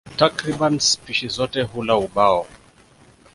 Takriban spishi zote hula ubao.